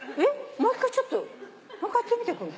もう一回ちょっともう一回やってみて。